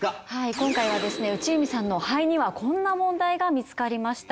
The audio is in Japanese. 今回はですね内海さんの肺にはこんな問題が見つかりました。